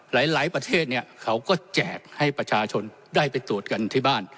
หลายประเทศเนี่ยเขาก็แจกให้ประชาชนได้ไปตรวจกันที่บ้าน